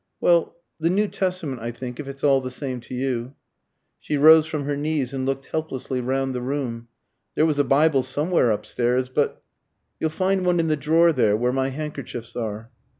"Well the New Testament, I think, if it's all the same to you." She rose from her knees and looked helplessly round the room. There was a Bible somewhere upstairs, but "You'll find one in the drawer there, where my handkerchiefs are."